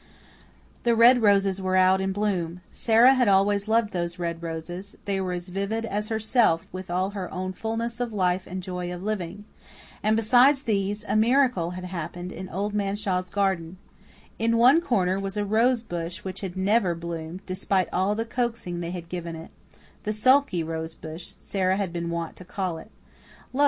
The red roses were out in bloom. Sara had always loved those red roses they were as vivid as herself, with all her own fullness of life and joy of living. And, besides these, a miracle had happened in Old Man Shaw's garden. In one corner was a rose bush which had never bloomed, despite all the coaxing they had given it "the sulky rose bush," Sara had been wont to call it. Lo!